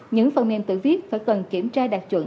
những phần mềm tự viết phải cần kiểm tra đặc chuẩn